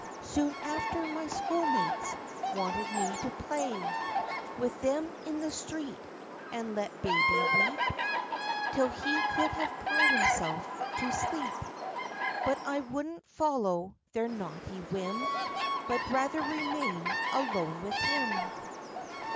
Soon after, my schoolmates wanted me to play With them in the street, and let baby weep, Till he should have cried himself to sleep; But I wouldn't follow their naughty whim, But rather remained alone with him."